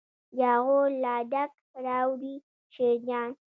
جاغور لا ډک راوړي شیرجان.